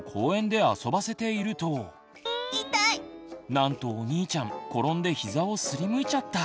なんとお兄ちゃん転んで膝をすりむいちゃった。